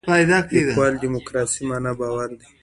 لیکوال دیموکراسي معنا باور دی.